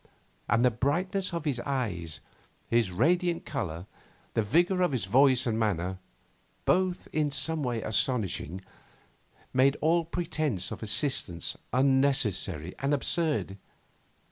And the brightness of his eyes, his radiant colour, the vigour of his voice and manner both in some way astonishing made all pretence of assistance unnecessary and absurd.